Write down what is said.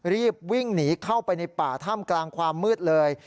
รีบวิ่งหนีเข้าไปในป่าถ้ำกลางความมืดเลย